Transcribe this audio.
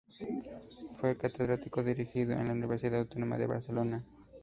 Fue catedrático de griego en la Universidad Autónoma de Barcelona.